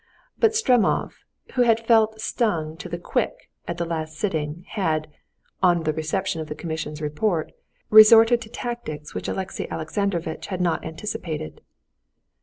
But Stremov, who had felt stung to the quick at the last sitting, had, on the reception of the commission's report, resorted to tactics which Alexey Alexandrovitch had not anticipated.